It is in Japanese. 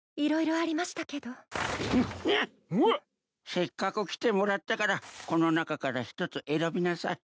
せっかく来てもらったからこの中から一つ選びなさい。